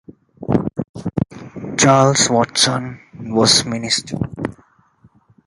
Charles Watson, was minister.